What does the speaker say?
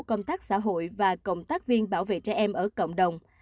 công tác xã hội và cộng tác viên bảo vệ trẻ em ở cộng đồng